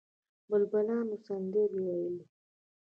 بلبلانو سندرې ویلې.